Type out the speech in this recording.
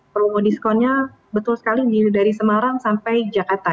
promo diskonnya betul sekali dari semarang sampai jakarta